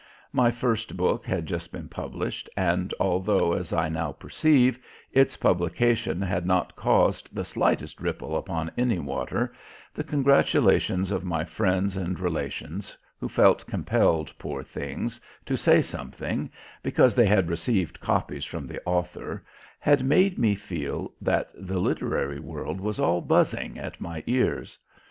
My first book had just been published and, although as I now perceive, its publication had not caused the slightest ripple upon any water, the congratulations of my friends and relations, who felt compelled, poor things, to say something, because "they had received copies from the author," had made me feel that the literary world was all buzzing at my ears.